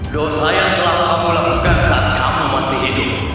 dosa yang telah kamu lakukan saat kamu masih hidup